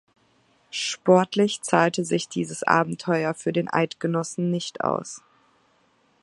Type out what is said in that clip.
Sportlich zahlte sich dieses Abenteuer für den Eidgenossen nicht aus.